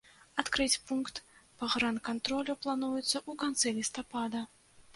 Адкрыць пункт пагранкантролю плануецца ў канцы лістапада.